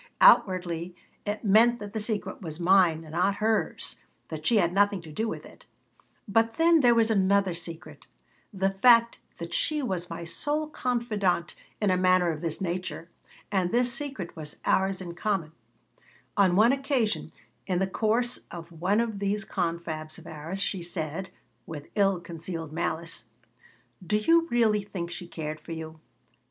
Outwardly it meant that the secret was mine, not hers; that she had nothing to do with it; but then there was another secret the fact that she was my sole confidante in a matter of this nature and this secret was ours in common On one occasion, in the course of one of these confabs of ours, she said, with ill concealed malice: "Do you really think she cared for you?